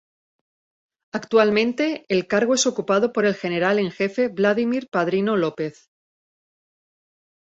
Actualmente el cargo es ocupado por el General en Jefe Vladimir Padrino López.